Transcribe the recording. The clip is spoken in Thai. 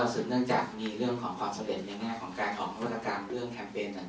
ซึ่งเนื่องจากมีเรื่องของคอทสลิดในใฟง